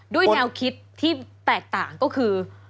ด้วยแนวคิดที่แตกต่างก็คือ